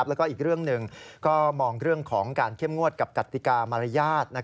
แล้วก็อีกเรื่องหนึ่งก็มองเรื่องของการเข้มงวดกับกติกามารยาท